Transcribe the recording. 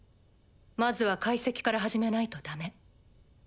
まずは解析から始めないとダメ。